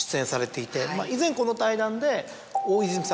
以前この対談で。